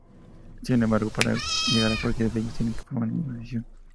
Sin embargo, para llegar a cualquiera de ellos tienen que tomar la misma decisión.